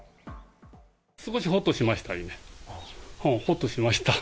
少しほっとしました。